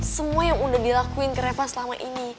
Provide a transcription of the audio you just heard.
semua yang udah dilakuin ke reva selama ini